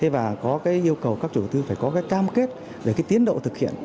thế và có cái yêu cầu các chủ tư phải có cái cam kết về cái tiến độ thực hiện